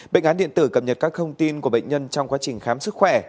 bệnh án điện tử cập nhật các thông tin của bệnh nhân trong quá trình khám sức khỏe